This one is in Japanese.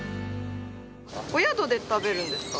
お宿で食べるんですか？